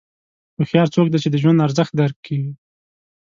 هوښیار څوک دی چې د ژوند ارزښت درک کوي.